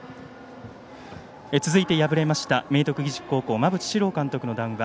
続いて敗れました明徳義塾高校馬淵史郎監督の談話。